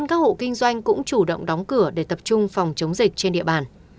các hộ kinh doanh cũng chủ động đóng cửa để tập trung phòng chống dịch trên địa bàn